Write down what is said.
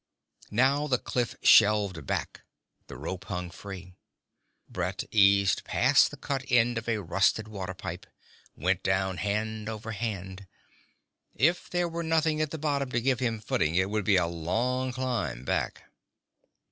Now the cliff shelved back; the rope hung free. Brett eased past the cut end of a rusted water pipe, went down hand over hand. If there were nothing at the bottom to give him footing, it would be a long climb back